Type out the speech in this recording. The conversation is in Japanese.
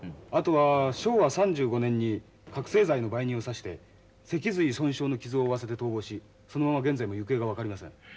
あとは昭和３５年に覚せい剤の売人を刺してせき髄損傷の傷を負わせて逃亡しそのまま現在も行方が分かりません。